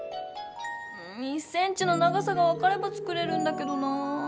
うん１ｃｍの長さがわかれば作れるんだけどなぁ。